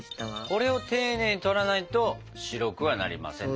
これを丁寧に取らないと白くはなりませんと。